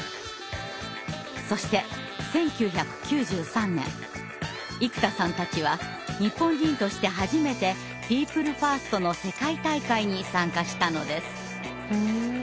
そして１９９３年生田さんたちは日本人として初めてピープルファーストの世界大会に参加したのです。